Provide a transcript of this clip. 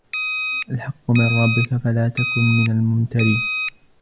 الْحَقُّ مِنْ رَبِّكَ فَلَا تَكُنْ مِنَ الْمُمْتَرِينَ